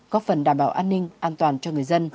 có phần đảm bảo an ninh an toàn cho người dân